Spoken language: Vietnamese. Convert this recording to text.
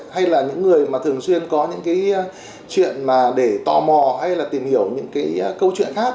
hay là những người mà thường xuyên có những cái chuyện mà để tò mò hay là tìm hiểu những cái câu chuyện khác